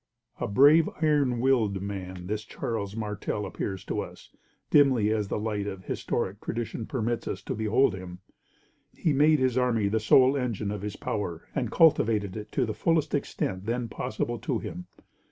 A brave, iron willed man, this Charles Martel appears to us dimly as the light of historic tradition permits us to behold him. He made his army the sole engine of his power, and cultivated it to the fullest extent then possible to him.